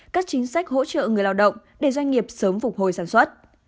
các chính sách hỗ trợ người lao động để doanh nghiệp sớm phục hồi sản xuất